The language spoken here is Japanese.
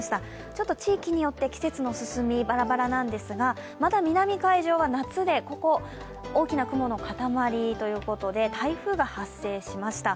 ちょっと地域によって季節の進み、ばらばらなんですが、まだ南海上は夏でここ、大きな雲の塊ということで台風が発生しました。